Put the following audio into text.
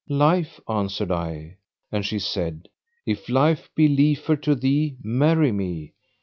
"Life," answered I; and she said, "If life be liefer to thee, marry me."